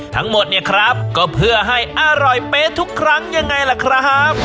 ทั้งหมดเนี่ยครับก็เพื่อให้อร่อยเป๊ะทุกครั้งยังไงล่ะครับ